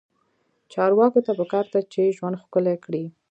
چارواکو ته پکار ده چې، ژوند ښکلی کړي.